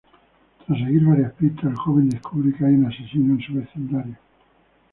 Tras seguir varias pistas, el joven descubre que hay un asesino en su vecindario.